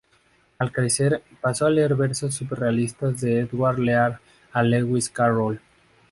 Al crecer, pasó a leer versos surrealistas de Edward Lear y Lewis Carroll.